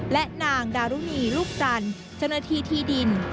และนางดารุณีลูกจันจังหนฐีที่ดิน